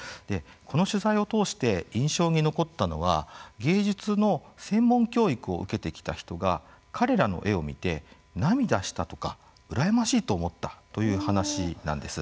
この取材を通して印象に残ったのは芸術の専門教育を受けてきた人が彼らの絵を見て涙したとか羨ましいと思ったという話なんです。